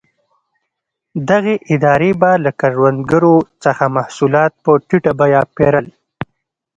دغې ادارې به له کروندګرو څخه محصولات په ټیټه بیه پېرل.